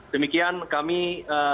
demikian kami terima kasih